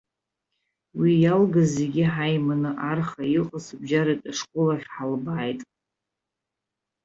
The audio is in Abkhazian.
Уи иалгаз зегьы ҳаиманы арха иҟаз абжьаратәи ашкол ахь ҳалбааит.